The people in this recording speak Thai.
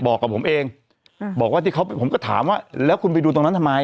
บอกกับผมเองบอกว่าที่เขาผมก็ถามว่าแล้วคุณไปดูตรงนั้นทำไม